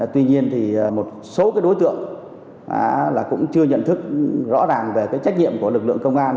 tuy nhiên thì một số đối tượng cũng chưa nhận thức rõ ràng về cái trách nhiệm của lực lượng công an